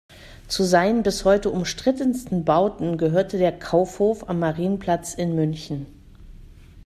Zu seinen bis heute umstrittensten Bauten gehört der Kaufhof am Marienplatz in München.